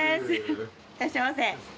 いらっしゃいませ。